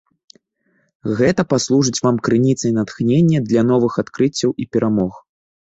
Гэта паслужыць вам крыніцай натхнення для новых адкрыццяў і перамог.